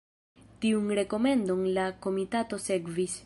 Tiun rekomendon la komitato sekvis.